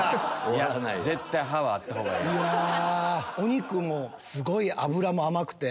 お肉もすごい脂も甘くて。